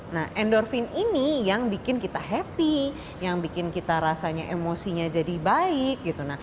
nah endorfin ini yang bikin kita happy yang bikin kita rasanya emosinya jadi baik gitu